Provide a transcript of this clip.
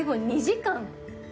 「２時間」